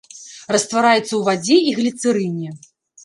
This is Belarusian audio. Раствараецца ў вадзе і гліцэрыне.